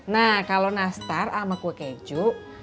nah kalau nastar sama kue keju enam puluh